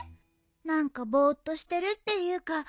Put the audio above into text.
何かぼーっとしてるっていうか。